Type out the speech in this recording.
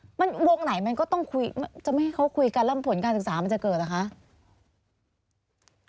จะไม่ให้เขาคุยกันแล้วผลการศึกษามันจะเกิดเหรอคะ